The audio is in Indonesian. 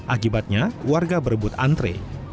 akibatnya warga berebut antre